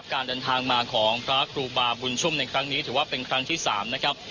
การเดินทางมาของพระครูบาบุญชุ่มในครั้งนี้ถือว่าเป็นครั้งที่๓นะครับ